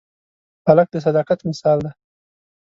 هلک د صداقت مثال دی.